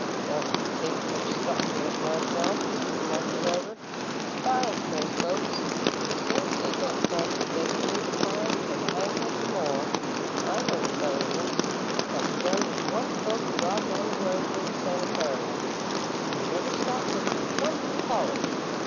"Don't take much stock in it myself," remarked the driver. "It spiles most folks. As soon as they get some, they begin to pine an' hanker for more. I knowed a feller wunst that begun with one book dropped on the road near the sanitarium, an' he never stopped till he was plum through college.